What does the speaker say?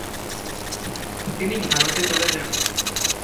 তিনি ভারতে চলে যান।